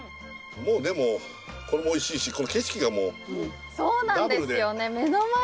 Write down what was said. もうでもこれもおいしいしこの景色がもうダブルで。